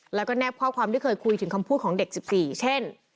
แล้วก็แนบข้อความที่เคยคุยถึงคำพูดของเด็ก๑๔เช่น